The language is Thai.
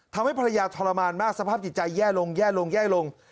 ทำให้ภรรยาทรมานมากสภาพดิจัยแย่ลง